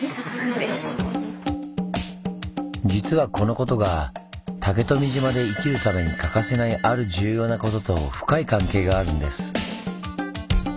実はこのことが竹富島で生きるために欠かせないある重要なことと深い関係があるんです。